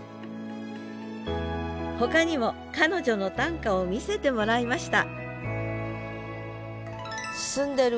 ほかにも彼女の短歌を見せてもらいました